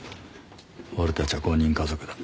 俺たちは５人家族だ。